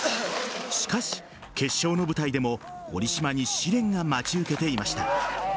しかし、決勝の舞台でも堀島に試練が待ち受けていました。